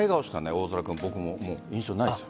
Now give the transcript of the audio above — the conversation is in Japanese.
大空君、印象ないですよ。